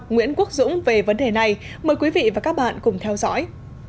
nguyễn quốc dũng về vấn đề này mời quý vị và các bạn cùng theo dõi